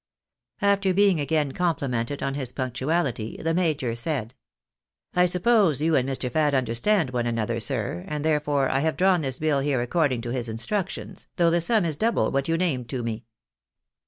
After being again complimented on his punctuality, the major said —" I suppose you and Mr. Fad understand one another, sir, and therefore I have drawn this bill here according to his instructions, though the sum is double what you named to me."